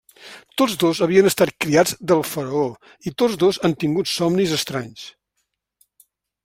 Tots dos havien estat criats del Faraó i tots dos han tingut somnis estranys.